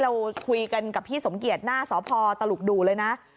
เราคุยกันกับพี่สมเกียจหน้าสพตลุกดูเลยนะ